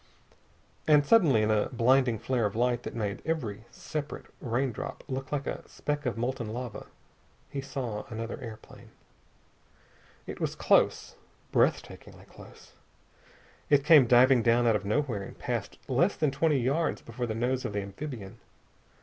And suddenly, in a blinding flare of light that made every separate raindrop look like a speck of molten metal, he saw another airplane. It was close. Breath takingly close. It came diving down out of nowhere and passed less than twenty yards before the nose of the amphibian.